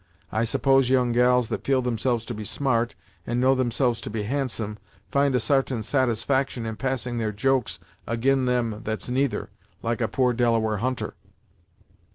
I suppose young gals that feel themselves to be smart, and know themselves to be handsome, find a sartain satisfaction in passing their jokes ag'in them that's neither, like a poor Delaware hunter."